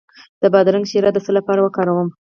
د بادرنګ شیره د څه لپاره وکاروم؟